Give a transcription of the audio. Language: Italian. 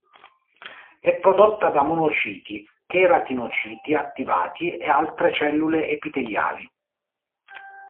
È prodotta da monociti, cheratinociti attivati e altre cellule epiteliali.